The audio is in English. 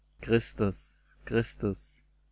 Christus ! Christus !